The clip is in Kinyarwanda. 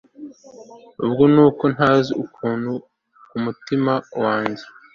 ubwo nuko utazi ukuntu kumutima wanjye